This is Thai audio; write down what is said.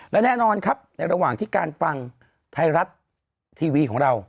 และแน่นอนครับในระหว่างที่การฟังไทยรัฐทีวีของเรา